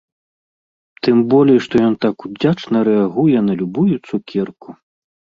Тым болей што ён так удзячна рэагуе на любую цукерку!